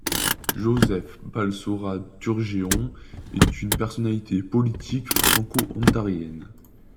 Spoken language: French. Joseph-Balsora Turgeon est une personnalité politique franco-ontarienne.